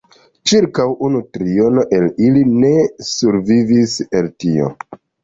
Ĉirkaŭ unu triono el ili ne survivis el tio.